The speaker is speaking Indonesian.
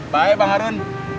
baik bang harun